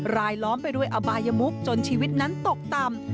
ล้อมไปด้วยอบายมุกจนชีวิตนั้นตกต่ำ